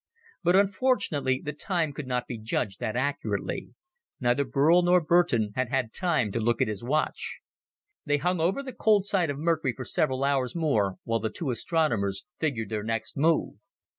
But, unfortunately, the time could not be judged that accurately. Neither Burl nor Boulton had had time to look at his watch. They hung over the cold side of Mercury for several hours more while the two astronomers figured their next move.